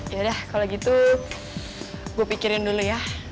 ya udah kalo gitu gue pikirin dulu ya